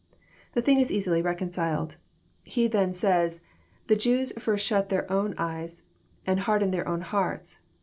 The thing is easily reconciled." — He then says :" The Jews first shut their own eyes, and hardened their own hearts.